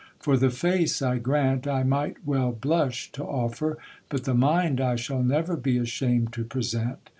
For the face, I graunt, I might wel blusche to offer, but the mynde I shall neur be ashamed to present.